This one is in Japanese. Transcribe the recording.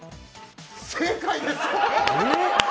正解です！